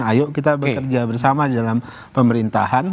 ayo kita bekerja bersama di dalam pemerintahan